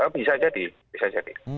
bisa jadi bisa jadi